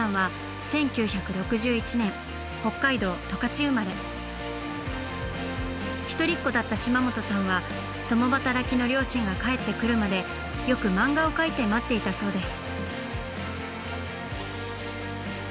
島本さんは一人っ子だった島本さんは共働きの両親が帰ってくるまでよく漫画を描いて待っていたそうです。